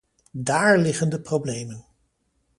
Dáár liggen de problemen.